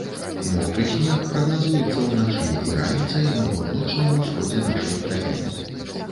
Мокры снег прагназуецца ўначы і раніцай на паўночным усходзе нашай краіны.